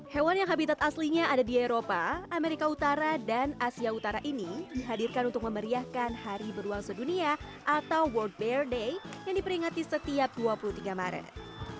hewan yang habitat aslinya ada di eropa amerika utara dan asia utara ini dihadirkan untuk memeriahkan hari beruang sedunia atau world bear day yang diperingati setiap dua puluh tiga maret